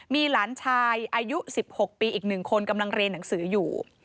มีหลานชายอายุ๑๖ปีอีก๑คนกำลังเรียนหนังสืออยู่